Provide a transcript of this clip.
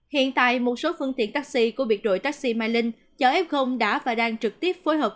hiện tại một số phương tiện taxi của biệt đội taxi mai linh chở f đã và đang trực tiếp phối hợp